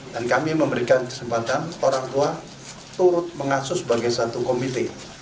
dan kami memberikan kesempatan orang tua turut mengasus sebagai satu komite